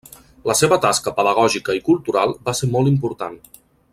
La seva tasca pedagògica i cultural va ser molt important.